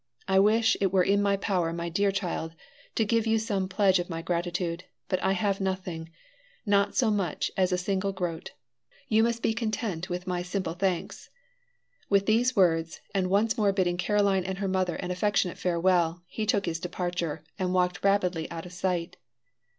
I wish it were in my power, my dear child, to give you some pledge of my gratitude, but I have nothing not so much as a single groat. You must be content with my simple thanks." With these words, and once more bidding Caroline and her mother an affectionate farewell, he took his departure, and walked rapidly out of sight.